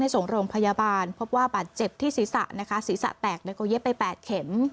ส่งโรงพยาบาลพบว่าบาดเจ็บที่ศีรษะนะคะศีรษะแตกแล้วก็เย็บไป๘เข็ม